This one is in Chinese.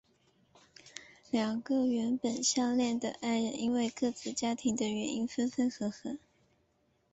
两个原本相恋的爱人因为各自家庭的原因分分合合。